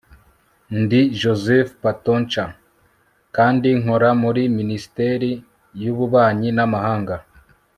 ndi josef patočka kandi nkora muri minisiteri y'ububanyi n'amahanga